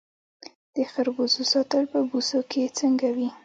د خربوزو ساتل په بوسو کې څنګه وي؟